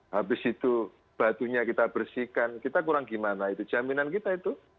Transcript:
habis itu batunya kita bersihkan kita kurang gimana itu jaminan kita itu